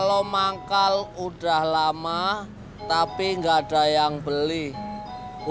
lagi gak mau diam diam hitung pernikah hitung abadi pops